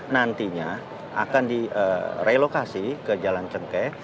nantinya akan direlokasi ke jalan cengkeh